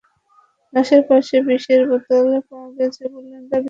লাশের পাশে বিষের বোতল পাওয়া গেছে বলে দাবি করেন আফরোজা বেগম।